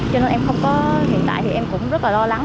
cho nên em không có hiện tại thì em cũng rất là lo lắng